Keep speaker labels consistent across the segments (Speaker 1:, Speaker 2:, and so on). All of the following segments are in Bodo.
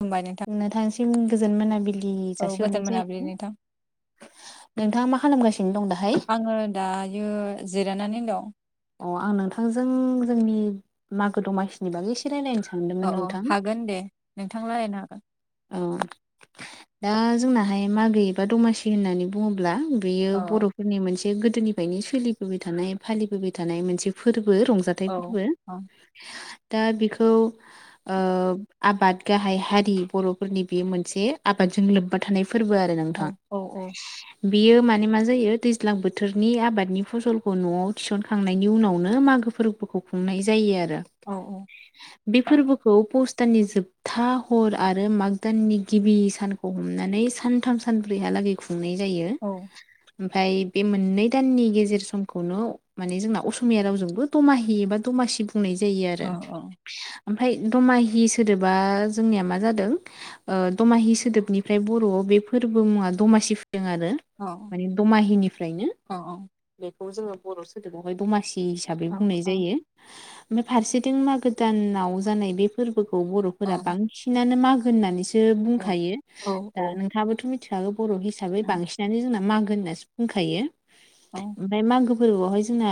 Speaker 1: खुलुमबाय नोंथां
Speaker 2: नोंथांनिसिम गोजोन मोनाबिल इ
Speaker 1: औ
Speaker 2: जासि हरनाय
Speaker 1: गोजोन मोनाबिलि
Speaker 2: जायो
Speaker 1: नोंथां
Speaker 2: नोंथाङा मा खालामगासिन
Speaker 1: आङो दायो जिरायनानै दं
Speaker 2: अ आं नोंथांजों जोंनि मागो दमासिनि बागै एसे रायलायनो सान।
Speaker 1: अ अ हागोन दे नोंथां रायलायनो हागोन।
Speaker 2: औ दा जोंनाहाय मागो एबा दमासि होननानै बुङोब्ला बेयो
Speaker 1: हागोन
Speaker 2: बर'फोरनि मोनसे गोदोनिफायनो सोलिबोबाय थानाय फालिबोबाय थानाय मोनसे फोर बो
Speaker 1: औ
Speaker 2: रंजाथाइफोरबो। दा बिखौ ओ आबाद गाहाय हारि बर'फोरनि बियो मोनसे आबादजों लोब्बा थानाय फोरबो आरो नोंथां
Speaker 1: औ
Speaker 2: बियो माने मा जायो दैज्लां बोथोरनि आबादनि फसलखौ न'आव थिसनखांनायनि उनावनो माग खो फोरबोखौ खुंनाय जायो आरो
Speaker 1: औ
Speaker 2: दा बे फोरबोखौ पस्ताननि जोबथा हर आरो माग दाननि गिबि सानखौ हमनानै सानथाम सानब्रैहालागै खु खुंनाय जायो।
Speaker 1: औ
Speaker 2: ओमफाय बे मोननै दाननि गेजेर समखौनो माने जोंना असमिया रावजोंबो दमाहि एबा दमासि बु बुंनाय जायो आरो
Speaker 1: औ
Speaker 2: ओमफाय दमाहि सोदोबा जोंनिया मा जादो दों ओ दमाहि सोदोबनिफ्राय बर'आव बे फोरबो मुङा दमासि फो फैदों आरो
Speaker 1: औ
Speaker 2: माने दमाहिनिफ्रायनो
Speaker 1: औ
Speaker 2: बेखौ जोङो बर' सोदोबावहाय दमासि हिसाबै
Speaker 1: औ
Speaker 2: बुंनाय
Speaker 1: औ
Speaker 2: जायो ओमफाय फारसेथिं मागो दानाव जानाय बे फोरबो। औ बर'फोरा बांसिनानो मागो होननानैसो
Speaker 1: औ
Speaker 2: बुंखायो
Speaker 1: औ
Speaker 2: दा
Speaker 1: औ
Speaker 2: नोंथाङाबोथ मिथिखागौ बर' हिसाबै बांसिनानो जोंना मागो होननासो बुंखायो ओमफाय मागो फोरबोआवहाय जोंना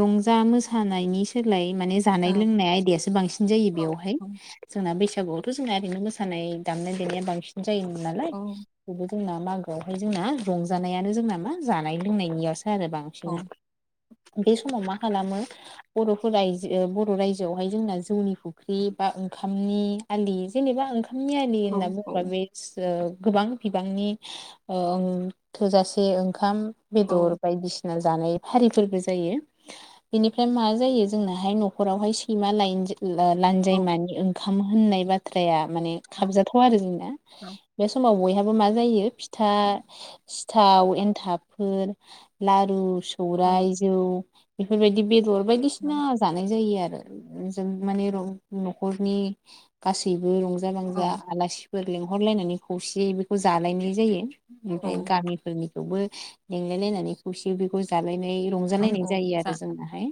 Speaker 2: रंजा मोसानायनि सोलाय माने जानाय लोंनाय आयदायासो बांसिन जायो
Speaker 1: औ
Speaker 2: बेयावहाय जोंना बैसागु बे जोंना ओरैनो मोसानाय दामनाय देनाया बांसिन जायोमोन नालाय
Speaker 1: औ
Speaker 2: जोंना मागोआवहाय जोंना रंजानायानो जोंना मा जानाय लोंनायनियावसो आरो
Speaker 1: औ
Speaker 2: बांसिन। बे समाव मा खालामो बर'फोर राजो बर' रायजोआवहाय जोंना जौनि फुख्रि बा ओंखामनि आलि जेनेबा ओंखामनि आलि
Speaker 1: औ
Speaker 2: होनना बुङोबा बे गोबां बिबांनि ओ थोजासे ओंखाम बेदर बायदिसिना जानाय हारिफोरबो जायो बेनिफ्राय मा जायो जोंनाहाय न'खरावहाय सैमा लाइन लानजायमानि ओंखाम होननाय बाथ्राया माने खाबजाथाव आरो जोंना बे समाव बय मा जायो फिथा सिथाव एन्थाबफोर लारु सौराय जौ बेफोरबायदि बेदर बायदिसिना जानाय जायो आरो जों माने न'खरनि गासैबो रंजा बांजा आलासि फोर लेंहरलायनानै खौसेयै बेखौ जालायनाय जायो ओमफ्राय गामिफोरनि थेवबो लेंलाय लायनानै खौसे बेखौ जालायनाय रंजालायनाय जायो
Speaker 1: जा
Speaker 2: आरो
Speaker 1: औ
Speaker 2: जोंनाहाय।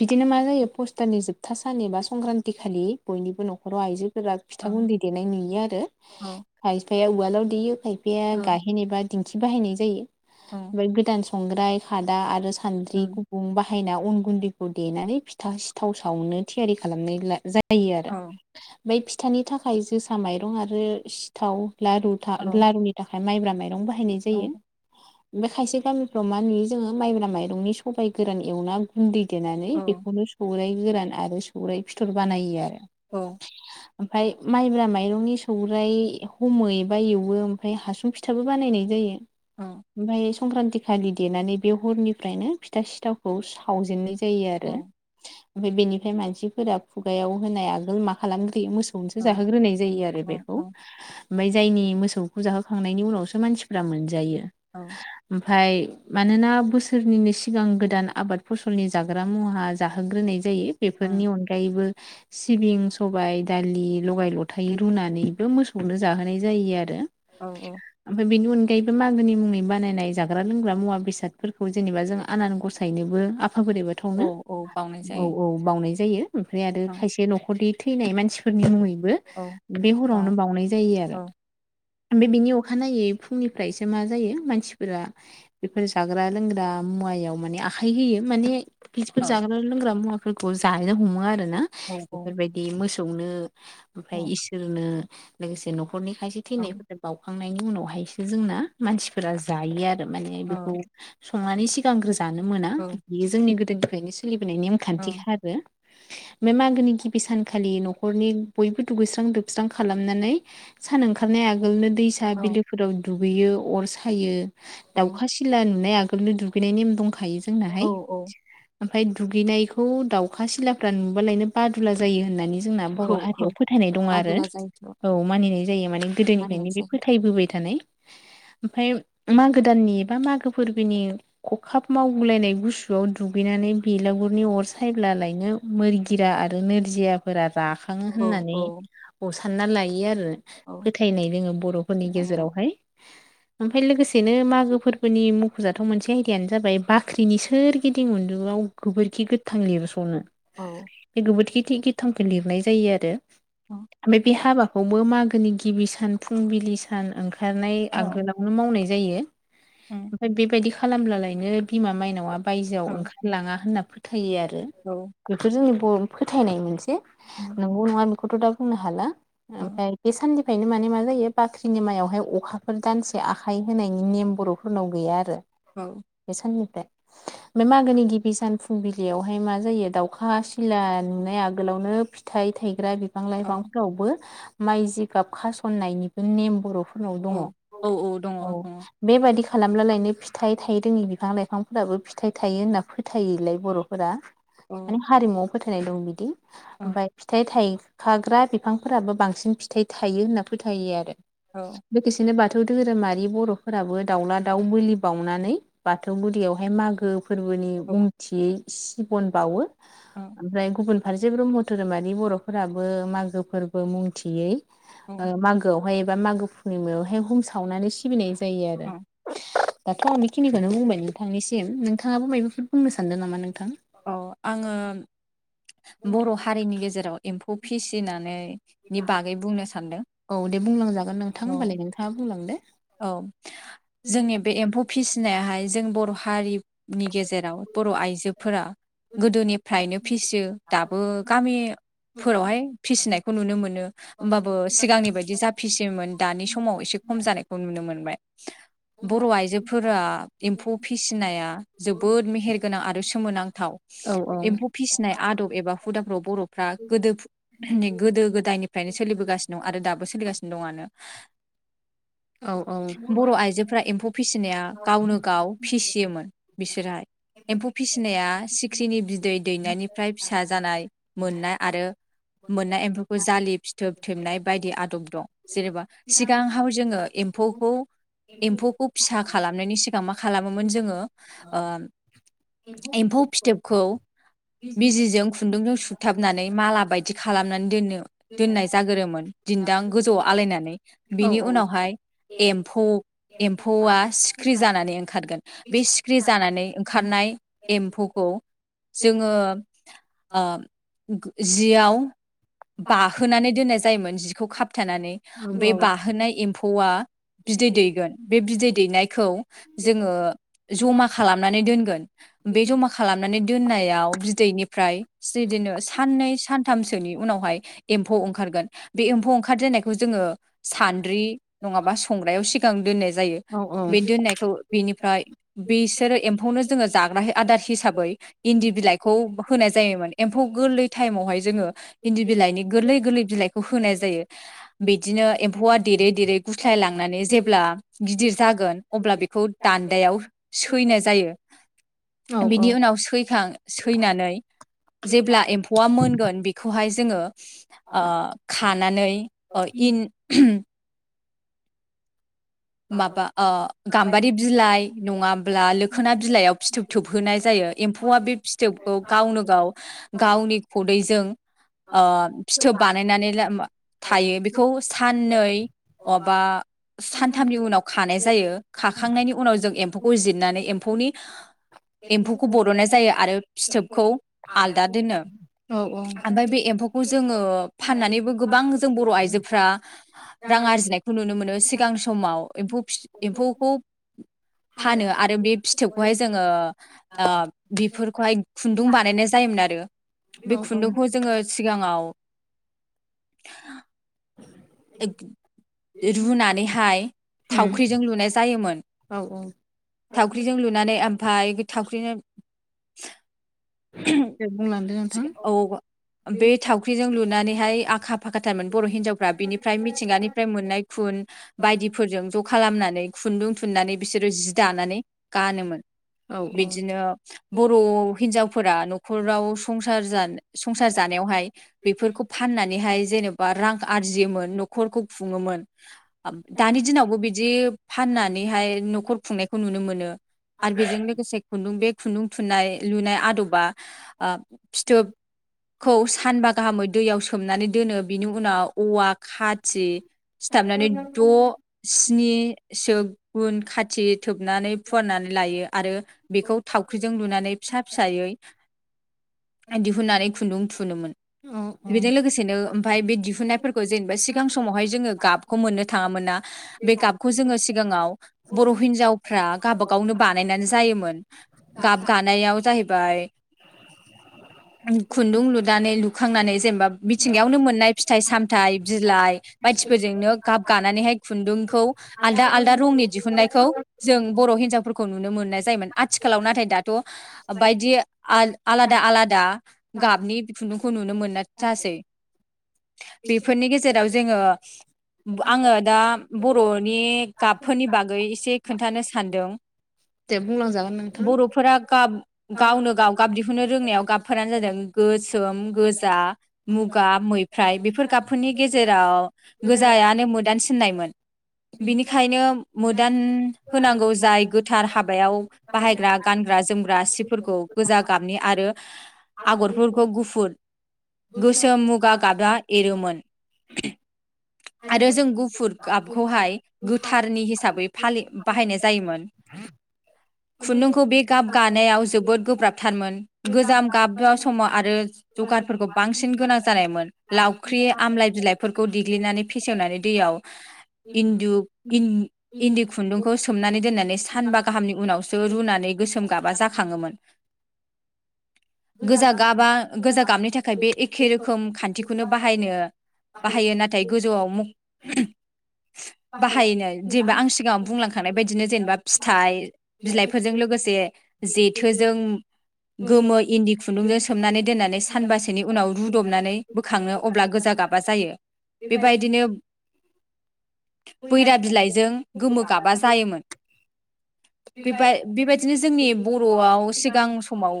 Speaker 2: बिदिनो मा जायो पस्टारनि जोबथा सान एबा संक्रान्ति खालि बयनिबो न'खराव आइजोफोरा फिथा गुन्दै
Speaker 1: औ
Speaker 2: देनाय नुयो आरो
Speaker 1: औ
Speaker 2: खायफाया उवालाव देयो खायफाया
Speaker 1: औ
Speaker 2: गाहेन एबा दिंखि बाहायनाय जायो
Speaker 1: औ औ
Speaker 2: फ्राय गोदान संग्राय खादा आरो
Speaker 1: औ
Speaker 2: सान्द्रि गुुबुं बाहायना अन गुन्दैखौ देनानै फिथा सिथाव सावनो थियारि खालामनाय जायो। जायो आरो ओमफ्राय फिथानि थाखाय जोसा माइरं आरो सिथाव लारु लारुनि थाखाय माइब्रा माइरं बाहायनाय जायो। बे खायसे गामिफ्राव मा नुयो जोङो माइब्रा माइरंनि सबाय गोरान एवना गुन्दै देनानै बेखौनो सौराइ गोरान आरो सौरराय फिथर बानायो आरो
Speaker 1: औ
Speaker 2: ओमफ्राय माइब्रा माइरंनि सौग्राइ हमो एबा एवो ओमफ्राय हासुं फिथाबो बानायनाय जायो।
Speaker 1: औ
Speaker 2: ओमफ्राय संक्रान्ति खालि देनानै बे हरनिफ्रायनो फिथा सिथावखौ सावजेननाय जायो
Speaker 1: औ
Speaker 2: आरो ओफ्राय बेनिफ्राय मानसिफोरा खुगायाव होनाय आगोल मा खालाग्रोयो मो सनोसो
Speaker 1: औ
Speaker 2: जाहोग्रोनाय जायो आरो
Speaker 1: औ
Speaker 2: बेखौ
Speaker 1: औ
Speaker 2: ओमफ्राय जायनि मोसौखौ जाहोखांनायनि उनावसो मानसिफ्रा मोनजायो।
Speaker 1: औ।
Speaker 2: ओमफ्राय मानोना बोसोरनिनो सिगां गोदान आबाद फसलनि जाग्रा मुवा जाहोग्रोनाय जायो बेफोरनि अनगायैबो सिबिं सबाय दालि लगाय लथाय रुनानैबो मोसौनो जाहोनाय जायो आरो।
Speaker 1: औ
Speaker 2: ओमफ्राय बेनि उनाव। गायबो मागोनि मुंनि बानायनाय जाग्रा लोंग्रा मुवा बेसादफोरखौ जेनेबा जों आनान गसायनोबो
Speaker 1: औ
Speaker 2: बोरैबाथावनो
Speaker 1: औ बावनाय
Speaker 2: औ
Speaker 1: जायो
Speaker 2: औ बावउनाय जायो ओमफ्राय आरो
Speaker 1: औ
Speaker 2: खायसे न'खरनि थैनाय मानसिफोरनि मुङैनो
Speaker 1: औ
Speaker 2: बो हरावनो
Speaker 1: बाव
Speaker 2: बाउनाय जायो आरो
Speaker 1: औ
Speaker 2: मफ्राय बिनि अखानायै फुंनिफ्रायसो मा जायो मानसिफोरा बेफोर जाग्रा लोंग्रा मुवायाव माने आखाइ होयो माने
Speaker 1: औ
Speaker 2: खिदिफोर जाग्रा लोंग्रा मुवाफोरखौ जाहैनो हमो आर ना
Speaker 1: औ औ
Speaker 2: बेफोरबायदि मोसौनो
Speaker 1: औ
Speaker 2: ओमफ्राय इसोरनो लोगोसे न'खरनि खायसे
Speaker 1: औ
Speaker 2: थैनायफोरजों बाव खांनायनि उनावहायसो जोंना मानसिफोरा जायो आरो मान
Speaker 1: औ
Speaker 2: बेखौ संनानै सिगांग्रो जानो मोना बेयो जोंनि गोदोनिफ्रायनो सोलिबोनाय नेमखान्थि खा आरो। बे मागोनि गिबि सानखालि न'खरनि बयबो दुगैस्रां दोबस्रां खालामनानै सान ओंखारनाय आगोलनो दैसा बिलोफोराव दुगैयो अर सायो
Speaker 1: औ
Speaker 2: दाउखा सिला नुनाय आ नो दुगैनाय नेम दंखायो
Speaker 1: औ
Speaker 2: जोंनाहाय। ओमफ्राय दुगैनायखौ दाउखा सिलाफ्रा नुबालायनो बादुला जायो होननानै जोंना बर'
Speaker 1: औ
Speaker 2: हारियाव फोथायनाय दङ आरो।
Speaker 1: आदुला जायोथ'
Speaker 2: औ मानिनाय जायो माने
Speaker 1: मानिनाय
Speaker 2: गोदोनिफ्रायनो बे
Speaker 1: जायो
Speaker 2: फोथायबोबाय थानाय ओमफ्राय मागो दाननि बा मागो फोरबोनि खखाब मावगलायनाय गुसुआव दुगैनाय बेलागुरनि अर साइब्लायनो आ जिरा आरो नोरजियाफोरा राखाङो
Speaker 1: औ
Speaker 2: होननानै
Speaker 1: औ
Speaker 2: सानना लायो आरो
Speaker 1: औ
Speaker 2: फोथायनाय दोङो बर'फोरनि
Speaker 1: फोथायनाय दं
Speaker 2: गेजेरावहाय। ओमफ्राय लोगोसेनो मागो फोरबोनि मुख'जाथाव मोनसे आयदियानो जाबाय बाख्रिनि सोरगिदिं उन्दुंआव गोबोरखि गोथां लेबसनो।
Speaker 1: औ।
Speaker 2: [unintelligible] गोथांखौ लिरनाय जायो आरो
Speaker 1: औ
Speaker 2: ओमफ्राय बे हाबाखौबो मागो गिबि सान फुंबिलि सान ओंखारनाय
Speaker 1: औ
Speaker 2: आगोलावनो मावनाय जायो ।
Speaker 1: उम
Speaker 2: ओमफ्राय बेबायदि खालामब्लालायनो बिमा मायनावआ
Speaker 1: औ
Speaker 2: बायजोआव ओंखारलाङा होनना होयो आरो
Speaker 1: औ
Speaker 2: बेफोर जोंनि बर'नि फोथायनाय मोनसे
Speaker 1: उम
Speaker 2: नंगौ नङा खौथ दा बुंनो हाला
Speaker 1: औ
Speaker 2: ओमफ्राय बे सान [unintelligible] माने मा जायो बाख्रिनि मायावहाय अखाफोर दानसे आखाइ होनायनि नेम बर'फोरनाव गैया आरो।
Speaker 1: औ
Speaker 2: बे साननिफ्राय ओमफ्राय मागोनि गिबि सान फुंबिलियावहाय मा जायो दाउखा सिला नुनाय आगोलावनो फिथाइ थायग्रा बिफां लाइफांफोरावबो माइ जि गाब खासननायनिबो नेम बर'फोरनाव
Speaker 1: औ
Speaker 2: दङ
Speaker 1: औ दङ
Speaker 2: औ
Speaker 1: दङ
Speaker 2: बेबायादि खालामोब्ला लायनो फिथाइ थाय रोंयि बिफां लाइफांफोराबो फिथाइ थायो होनना फोथायोलाय बर'फोरा
Speaker 1: औ
Speaker 2: माने हारिमुआव फोथायनाय दं बिदि ओमफ्राय फिथाइ थाइ खाग्रा बिफांफोराबो बांसिन फिथाइ थायो होनना फोथायो आरो लोगोसेनो बाथ बाथौ धोरोमारि बर'फोराबो दाउला दाउ बोलि बावउनानै बाथौ गदियावहाय मागो फोरबोनि मुंथियै सिबन बावो ओमफ्राय गुबुन फारसे ब्रह्म धोरोमारि बर'फोराबो मागो फोरबो मुंथियै
Speaker 1: औ
Speaker 2: मागोआवहाय एबा मागो फुर्निमायावहाय हम सावनानै सिबिनाय जा जायो आरो। दाथ' आं बेखिनिखौनो बुंबाय नोंथांनिसिम नोंथाङाबो मायबाफोर बुंनो सानदों नामा नोंथां।
Speaker 1: औ आङो बर' हारिनि गेजेराव एम्फौ फिसिनानै नि बागै बुंनो सानदों।
Speaker 2: औ दे बुंलांजागोन नोंथां
Speaker 1: औ
Speaker 2: होमबालाय नोंथाङा बुंलांदो।
Speaker 1: औ जोंनि बे एम्फौ फिसिनायाहाय जों बर' हारि नि गेजेराव बर' आइजोफोरा गोदोनिफ्रायनो फिसियो दाबो गामि फोरावहाय फिसिनायखौ नुनो मोनो होमबाबो सिगांनि बायदि जा फिसियोमोन दानि समाव एसे खम जानायखौ खौ नुनो मोनबाय।
Speaker 2: [inaudible]
Speaker 1: बर' आइजोफोरा एम्फौ फिसिनाया जोबोद मेहेरगोनां आरो सोमोनांथाव।
Speaker 2: औ औ
Speaker 1: एम्फौ फिसिनाय आदब एबा हुदाफ्राव बर'फ्रा गोदो- गोदो गोदायनिफ्रायनो सोलिबोगासिनो दं आरो दाबो सोलिगासिनो। दंआनो
Speaker 2: औ -औ।
Speaker 1: बर' आइजोफोरा एम्फौ फिसिनाया गावनो गाव फिसियोमोन बिसोरहा एम्फौ फिसिनाया सिख्रिनि बिदै दैनायनिफ्राय फिसा जानाय मोननाय आरो मोननाय एम्फौखौ जालि फिथोब थोबनाय बायदि आदब दं जेनेबा सिगां हाव जोंङो एम्फौखौ एम्फौखौ फिसा खालामनायनि सिगां मा खालामोमोन जोंङो एम्फौ फिथोबखौ बिजिजों खुन्दुंजों सुथाबनानै माला बायदि खालामनानै दोननो दोननाय जागोरोमोन। दिन्दां गोजौआव आलायनानै
Speaker 2: औ
Speaker 1: बिनि उनावहाय एम्फौ- एम्फौआ सिख्रि जानानै ओंखारगोन बे सिख्रि जानानै ओंखार नाय एम्फौखौ जोंङो जियाव बाहोनानै दोननाय जायोमोन जिखौ खाबथानानै बे
Speaker 2: औ
Speaker 1: बाहोनाय एम्फौआ बिदै दैगोन बे बिदै दैनायखौ जोङो जमा खालामनानै दोनगोन बे जमा खालामनानै दोननाय याव बिदैनिफ्राय बिदिनो साननै सानथामसोनि उनावहाय एम्फौ ओंखारगोन। बे एम्फौ ओंखारजेननायखौ जोङो सान्द्रि नङाबा संग्रायाव सिगां दोननाय जायो
Speaker 2: औ
Speaker 1: बे दोननायखौ बेनिफ्राय बिसोरो एम्फौ खौनो जाग्रा आदार हिसाबै इन्दि बिलाइखौ होनाय जायोमोन एम्फौ गोरलै ताइमावहाय । जोङो इन्दि बिलाइनि गोरलै गोरलै बिलाइखौ होनाय जायो। बिदिनो एम्फौआ देरै देरै गुस्लाय लांनानै जेब्ला गिदिर जागोन अब्ला बेखौ दान्दायाव सैनाय जायो।
Speaker 2: [inaudible]
Speaker 1: बिनि उनाव सैखां सैनानै जेब्ला एम्फौआ मोनगोन बेखौहाय जोङो ओ खानानै ओ इन माबा ओ गाम्बारि बिलाइ नङाब्ला लोखोना बिलाइयाव फिथोब थोबहोनाय जायो एम्फौआ बे फिथोबखौ गावनो गाव गावनि खुदैजों ओ फिथोब बानायनानै थायो बेखौ साननै अबा सान थामनि उनाव खानाय जायो खाखांनायनि उनाव जों एम्फौखौ जिरनानै एम्फौनि एम्फौखौ बरननाय जायो आरो फिथोबखौ आलदा दोनो।
Speaker 2: औ औ
Speaker 1: खौ जोङो फाननानैबो गोबां जों बर' आइजोफ्रा रां आर्जिनायखौ नुनो मोनो सिगां समाव एम्फौ फि एम्फौखौ फानो आरो बे फिथोबखौहाय जोङो बेफोरखौहाय खुन्दुं बानायनाय जायो। जायोमोन आरो बे खुन्दुंखौ जोङो सिगाङाव
Speaker 2: [unintelligible]
Speaker 1: रुनानैहाय
Speaker 2: उम
Speaker 1: थावख्रिजों लुनाय जायोमोन।
Speaker 2: औ
Speaker 1: थावख्रिजों लुनानै ओमफ्राय थावख्रिजों
Speaker 2: दे बुंलां
Speaker 1: औ बे थावख्रिजों लुनानैहाय आखा। फाखाथारमोन बर' हिनजावफ्रा बिनिफ्राय मिथिंगानिफ्राय मोननाय खुन बायदिफोरजों ज' खालामनानै। खुन्दुं थुननानै बिसोरो जि दानानै गानोमोन।
Speaker 2: औ औ
Speaker 1: बिदिनो बर' हिनजावफोरा न'खराव। संसार जान संसार जानायावहाय बेफोरखौ फाननानैहाय। जेनेबा रां आरजियोमोन नखरखौ' खुङोमोन दानि दिनावबो बिदि फान नानैहाय न'खर खुंनायखौ नुनो मोनो। आरो बेजों लोगोसे खुन्दुं बे खुन्दुं थुननाय लुनाय आदबा ओ- फिथोबखौ सानबा गाहामै दैयाव सो सोमनानै दोनो बिनि उनाव औवा खाथि सिथाबनानै द' स्नि नि सो गुन खाथि थोबनानै फुवारनानै लायो आरो। बेखौ थावख्रिजों लुनानै फिसा फिसायै। दिहुननानै खुन्दुं थुनोमोन।
Speaker 2: अ औ
Speaker 1: फाय बे दिहुननायफोरखौ जेनेबा सिगां समावहाय जोङो गाबखौ मोननो थाङामोनना। बे गाबखौ जोङो सिगाङाव बर' हिनजावफ्रा गावाबागावनो बानायनानै जायोमोन। गाब गानायाव जाहैबाय।
Speaker 2: [unintelligible] [inaudible]
Speaker 1: खुन्दुं लुनानै लुखांनानै जेनेबा मिथिंगायावनो मोननाय फिथाइ सामथाय बिलाइ बायदि फोरजोंनो गाब गानानैहाय खु खौ आलदा आलदा रंनि दिहुननायखौ जों बर' हिनजावफोरखौ। नुनो मोननाय जायोमोन आथिखालाव नाथाय दाथ' बायदि आल आलादा आलादा गाबनि खुन्दुंखौ नुनो मोननाय जासै। बेफोरनि गेजेराव जोङो आङो दा बर'नि गाबफोरनि बागै एसे खोन्थानो सानदों।
Speaker 2: दे बुंलांजागोन नोंथां
Speaker 1: बर'फोरा गाब गावनो गाव गाब दिहु ननो रोंनायाव गाबफोरानो जादों गोसोम, गोजा, मुगा, मैफ्राइ बेफोर गाबफोरनि गेजेराव गोजायानो मोदान सिननायमोन बिनिखायनो मोदान होनांगौ जाय गोथार हाबायाव बाहायग्रा गानग्रा-जोमग्रा सि फोरखौ गोजा गाबनि आरो आगरफोरखौ गुफुर। गोसोम मुगा गाबा एरोमोन आरो जों गुफुर गाबखौहाय गोथारनि हिसाबै फालि बाहायनाय जायोमोन।
Speaker 2: [unintelligible] [inaudible]
Speaker 1: खुन्दुंखौ बे गाब गानायाव जोबोद गोब्राब थारमोन गोजाम गाबा समाव आरो जगारफोरखौ बांसिन गोनां जानायमोन। लावख्रि आमलाय बिलाइफोरखौ देग्लिनानै फेसेवनानै दैयाव इन्दु-इन-इन्दि खुन्दुंखौ सोमनानै दोननानै सानबा गाहामनि उनावसो रुनानै गोसोम गाबा जाखाङोमोन।
Speaker 2: [inaudible]
Speaker 1: गोजा गाबा गोजा गाबनि थाखाय बे एखे रोखोम खान्थिखौनो बाहायनो बाहायो नाथाय गोजौआव म' बाहायनो जेनेबा आं सिगाङाव बुंलांखांनाय बायदिनो जेनेबा फिथाइ बिलाइफोरजों लो गोसे जेथोजों गोमो इन्दि खुन्दुंजों सोमनानै दोननानै सानबासोनि उनाव रुदबनानै बोखाङो अब्ला गोजा गाबा जायो बेबायदिनो बैरा बिलाइजों गोमो गाबा जायोमोन। बे बाय- बे बायदिनो जोंनि बर'आव सिगां समाव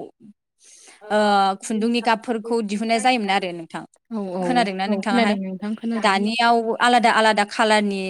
Speaker 1: ओ-खुन्दुंनि गाबफोरखौ दिहुननाय जायोमोन आरो नोंथां।
Speaker 2: औ औ
Speaker 1: खोनादोंना
Speaker 2: औ
Speaker 1: नोंथाङाहाय
Speaker 2: खोनादों नोंथां खोनादों
Speaker 1: दानियाव आलादा-आलादा खालारनि